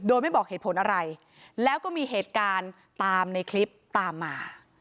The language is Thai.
โดยไม่บอกเหตุผลอะไรแล้วก็มีเหตุการณ์ตามในคลิปตามมา